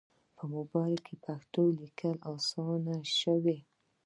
په موبایل کې پښتو لیکل اسانه شوي.